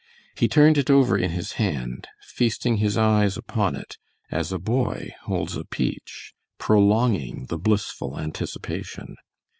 He turned it over in his hand, feasting his eyes upon it, as a boy holds a peach, prolonging the blissful anticipation.